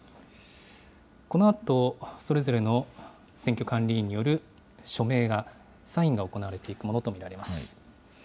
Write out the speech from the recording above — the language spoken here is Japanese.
このあと、それぞれの選挙管理委員による署名が、サインが行われていくものと見られます。